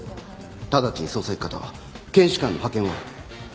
直ちに捜査一課と検視官の派遣を。